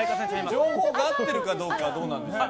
情報があってるかどうかはどうなんでしょうね。